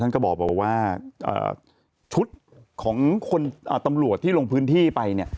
ท่านก็บอกว่าชุดของคนตำรวจที่ลงพื้นที่ไป